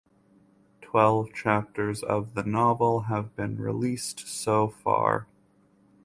Twelve chapters of the novel have been released so far.